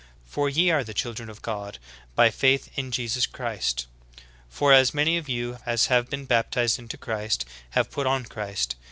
For ye are all the children of God by faith in Jesus Christ. For as many of you as have been baptized into Christ, have put on Christ.